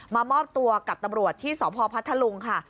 มามอบตัวกับตำรวจที่สพพัทธลุงค่ะ